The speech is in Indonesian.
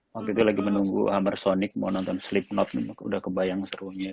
waktu itu lagi menunggu hammersonic mau nonton slipknot udah kebayang serunya kan